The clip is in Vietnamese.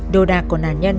đồ đạc của nạn nhân